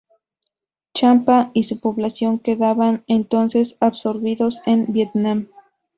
Champa y su población quedaban entonces absorbidos en Vietnam.